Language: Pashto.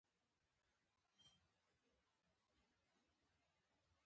هغوی د خلکو لومړیتوب نه پېژني.